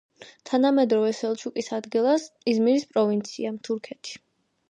თანამედროვე სელჩუკის ადგილას, იზმირის პროვინცია, თურქეთი.